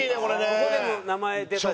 ここでも名前出たし。